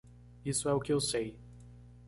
Isso é o que eu sei.